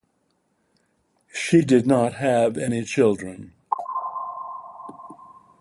She did not have any children.